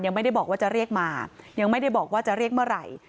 ยังไม่ได้บอกว่าจะเรียกมายังไม่ได้บอกว่าจะเรียกเมื่อไหร่